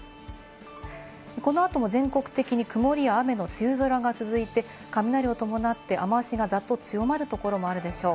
この後も全国的に曇りや雨の梅雨空が続いて、雷を伴って雨脚がざっと強まるところもあるでしょう。